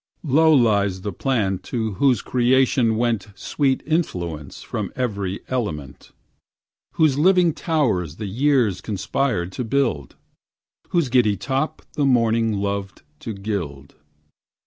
Low lies the plant to whose creation went Sweet influence from every element; Whose living towers the years conspired to build, Whose giddy top the morning loved to gild.